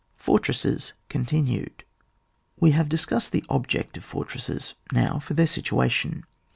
FORTRESSES— (oontiktjed). } We have discussed the object of for tresses : now for their situation.